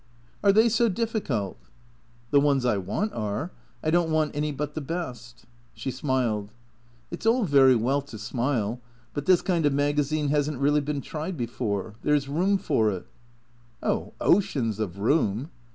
"Are they so difficult?" " The ones I want are. I don't want any but the best." She smiled. " It 's all very well to smile ; but this kind of magazine has n't really been tried before. There 's room for it." " Oh, oceans of room."